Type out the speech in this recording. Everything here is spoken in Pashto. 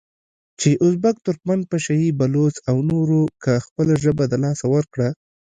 چې ازبک، ترکمن، پشه یي، بلوڅ او نورو که خپله ژبه د لاسه ورکړه،